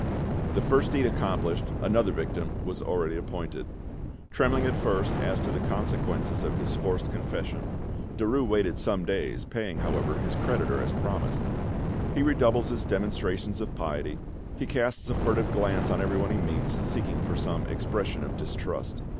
This first deed accomplished, another victim was already appointed. Trembling at first as to the consequences of his forced confession, Derues waited some days, paying, however, his creditor as promised. He redoubles his demonstrations of piety, he casts a furtive glance on everyone he meets, seeking for some expression of distrust.